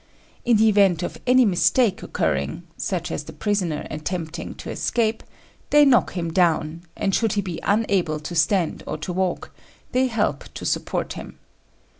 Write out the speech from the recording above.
In the event of any mistake occurring (such as the prisoner attempting to escape), they knock him down; and should he be unable to stand or to walk, they help to support him.